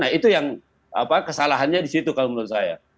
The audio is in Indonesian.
nah itu yang kesalahannya disitu kalau menurut saya